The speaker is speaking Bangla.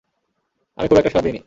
আমি খুব একটা সাড়া দিইনি।